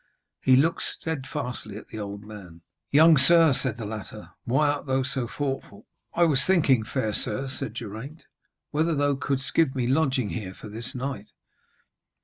He looked steadfastly at the old man. 'Young sir,' said the latter, 'why art thou so thoughtful?' 'I was thinking, fair sir,' said Geraint, 'whether thou couldst give me lodging here for this night.'